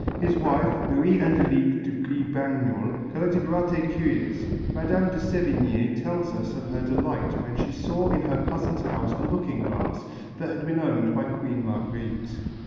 His wife, Marie Angelique du Gue Bagnol, collected raretés curieuses. Mme. de Sévigné tells us of her delight when she saw in her cousin's house a looking glass that had been owned by Queen Marguerite.